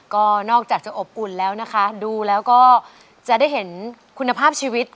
ก็นอกจากจะอบอุ่นแล้วนะคะดูแล้วก็จะได้เห็นคุณภาพชีวิต